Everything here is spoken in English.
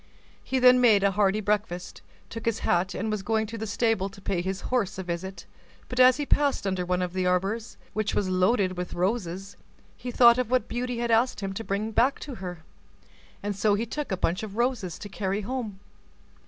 He then made a hearty breakfast, took his hat, and was going to the stable to pay his horse a visit; but as he passed under one of the arbors, which was loaded with roses, he thought of what Beauty had asked him to bring back to her, and so he took a bunch of roses to carry home.